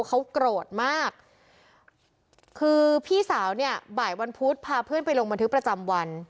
เขาโกรธมากคือพี่สาวเนี่ยบ่ายวันพุธพาเพื่อนไปลงบันทึกประจำวัน